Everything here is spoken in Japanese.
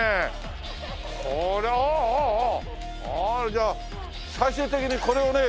じゃあ最終的にこれをね